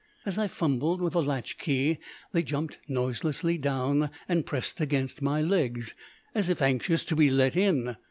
As I fumbled with the latch key they jumped noiselessly down and pressed against my legs, as if anxious to be let in.